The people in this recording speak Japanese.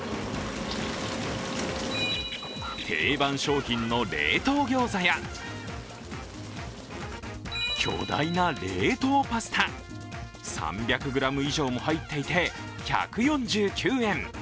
定番商品の冷凍ギョーザや巨大な冷凍パスタ、３００ｇ以上も入っていて１４９円。